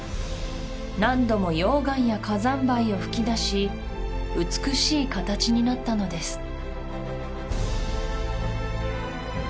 何度も溶岩や火山灰を噴き出し美しい形になったのです